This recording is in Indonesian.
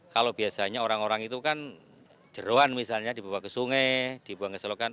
kalau biasanya orang orang itu kan jeruan misalnya dibawa ke sungai dibuang ke selokan